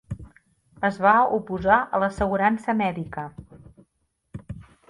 Es va oposar a l'assegurança mèdica.